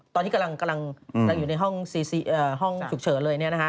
ตอนที่กำลังอยู่ในห้องฉุกเฉินเลย